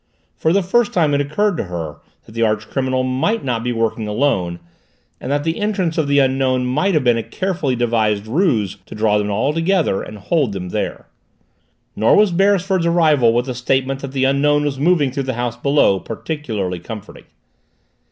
For the first time it occurred to her that the archcriminal might not be working alone, and that the entrance of the Unknown might have been a carefully devised ruse to draw them all together and hold them there. Nor was Beresford's arrival with the statement that the Unknown was moving through the house below particularly comforting.